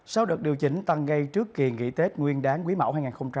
sau đợt điều chỉnh tăng ngay trước kỳ nghỉ tết nguyên đáng quý mẫu hai nghìn hai mươi ba